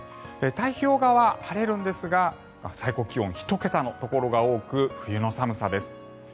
太平洋側、晴れるんですが最高気温１桁のところが多く冬の寒さです。